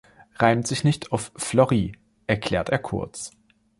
„Reimt sich nicht auf Florrie“, erklärt er kurz.